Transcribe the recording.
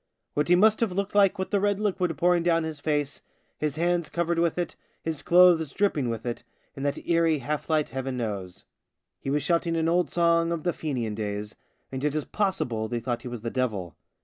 What he must have looked like with the red liquid pouring down his face, his hands covered with it, his clothes dripping with it, in that eerie half light, Heaven knows. He was shouting an old song of the Fenian days, and it is possible they thought he was the devil.